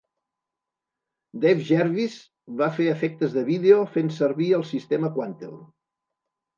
Dave Jervis va fer efectes de vídeo fent servir el sistema Quantel.